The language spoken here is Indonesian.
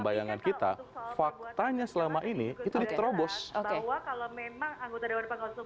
bayangan kita faktanya selama ini itu terobos kalau memang anggota dewan panggang selalu